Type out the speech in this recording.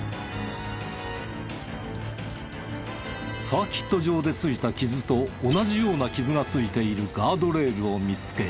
サーキット場でついた傷と同じような傷がついているガードレールを見つけ。